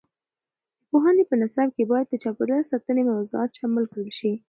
د پوهنې په نصاب کې باید د چاپیریال ساتنې موضوعات شامل کړل شي.